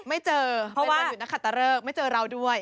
ไม่เจอเป็นวันหยุดนักขัดตะเลิกไม่เจอเราด้วย